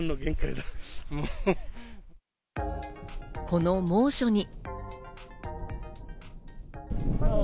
この猛暑に。